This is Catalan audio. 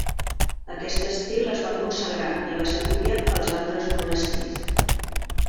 Aquest estil es va consagrar i va ser copiat pels altres monestirs.